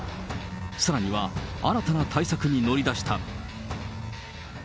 さらには、新たな対策に乗り出した。